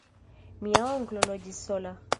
Mia onklo loĝis sola.